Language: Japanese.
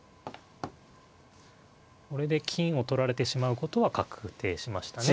これで金を取られてしまうことは確定しましたね。